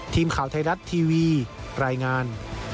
ทีมข่าวไทยรัฐทีวีรายงาน